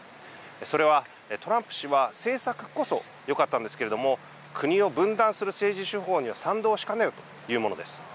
それはトランプ氏は政策こそよかったんですけれども国を分断する政治手法には賛同しかねるというものです。